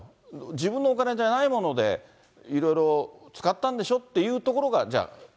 自分のお金じゃないもので、いろいろ使ったんでしょというところが、じゃあ。